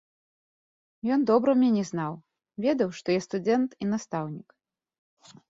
Ён добра мяне знаў, ведаў, што я студэнт і настаўнік.